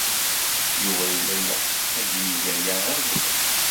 Yuba yella yeɣs ad yeg aya iḍelli.